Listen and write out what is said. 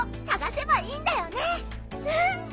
うん！